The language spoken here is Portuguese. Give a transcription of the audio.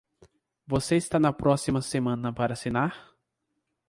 Você está na próxima semana para assinar?